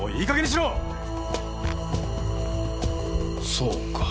そうか。